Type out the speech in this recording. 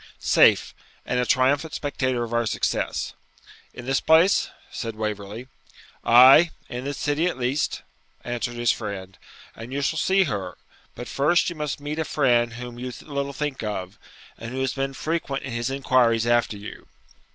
'Safe, and a triumphant spectator of our success.' 'In this place?' said Waverley. 'Ay, in this city at least,' answered his friend, 'and you shall see her; but first you must meet a friend whom you little think of, who has been frequent in his inquiries after you.'